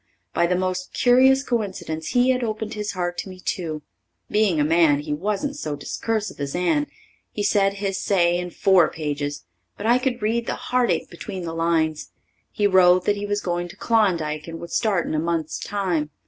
By the most curious coincidence he had opened his heart to me too. Being a man, he wasn't so discursive as Anne; he said his say in four pages, but I could read the heartache between the lines. He wrote that he was going to Klondike and would start in a month's time.